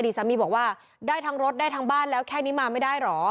สามีบอกว่าได้ทั้งรถได้ทั้งบ้านแล้วแค่นี้มาไม่ได้เหรอ